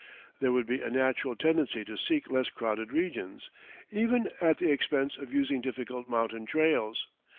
There would be a natural tendency to seek less crowded regions, even at the expense of using difficult mountain trails.